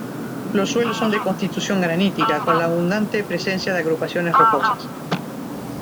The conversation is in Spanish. Los suelos son de constitución granítica, con la abundante presencia de agrupaciones rocosas.